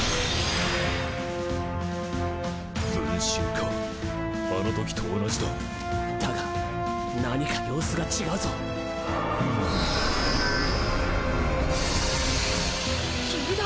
分身かあの時と同じだだが何か様子が違うぞ霧だ！